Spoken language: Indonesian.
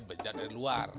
bencana dari luar